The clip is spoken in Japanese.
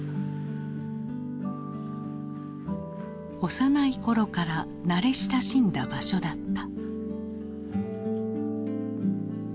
幼い頃から慣れ親しんだ場所だった。